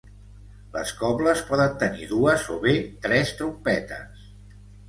Les cobles poden tenir dues o bé tres trompetes.